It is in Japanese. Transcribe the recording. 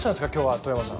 外山さん。